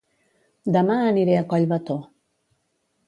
Dema aniré a Collbató